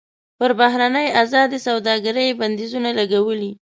پر بهرنۍ ازادې سوداګرۍ یې بندیزونه لګولي.